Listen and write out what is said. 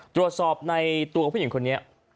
ตรวจสอบในตัวผู้หญิงคนนี้